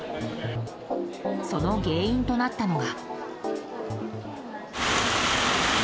その原因となったのが。